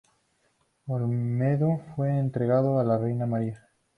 Olmedo fue entregado a la reina María.